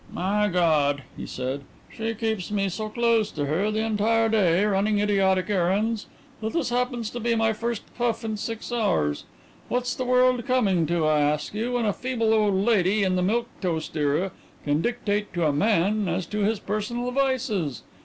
"My God!" he said, "She keeps me so close to her the entire day running idiotic errands that this happens to be my first puff in six hours. What's the world coming to, I ask you, when a feeble old lady in the milk toast era can dictate to a man as to his personal vices.